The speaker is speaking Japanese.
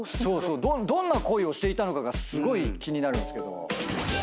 どんな恋をしていたのかがすごい気になるんすけど。